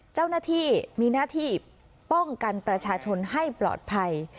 เจ้าหน้าที่มีหน้าที่ป้องกันประชาชนให้ปลอดภัย